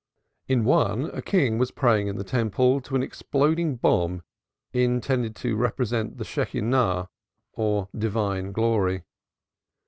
In one a king was praying in the Temple to an exploding bomb intended to represent the Shechinah or divine glory.